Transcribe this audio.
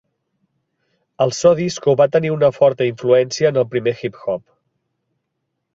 El so disco va tenir una forta influència en el primer hip-hop.